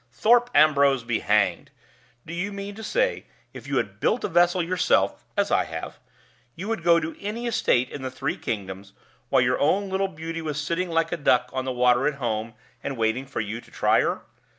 Thorpe Ambrose be hanged! Do you mean to say, if you had built a vessel yourself (as I have), you would go to any estate in the three kingdoms, while your own little beauty was sitting like a duck on the water at home, and waiting for you to try her?